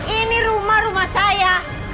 ini rumah rumah saya